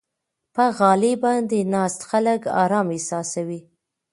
په غالۍ باندې ناست خلک آرام احساسوي.